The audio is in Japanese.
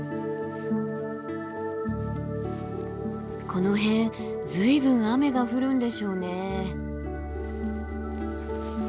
この辺随分雨が降るんでしょうね。